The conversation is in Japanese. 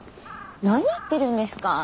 何言ってるんですか。